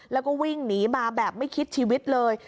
แล้วก็วิ่งหนีมาแบบไม่คิดชีวิตเลย